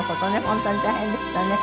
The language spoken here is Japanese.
本当に大変でしたね。